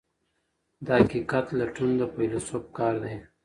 د حقیقت لټون د فیلسوف کار دی.